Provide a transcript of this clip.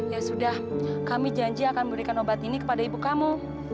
ya sudah kami janji akan memberikan obat ini kepada ibu kamu